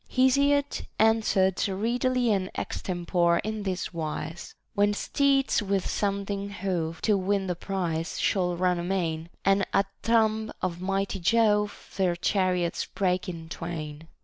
Hesiod answered readily and extempore in this wise '— When steeds with sounding hoof, to win The prize, shall run amain ; And at the tomb of mighty Jove Their chariots break in twain.